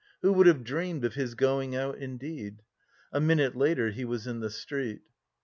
Who would have dreamed of his going out, indeed? A minute later he was in the street.